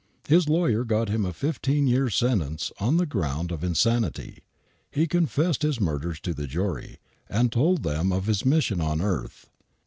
His lawyer got him a fifteen years' sentence on the ground of ii^oanity. He confessed his murders to the jury, and told them of his mission on earth.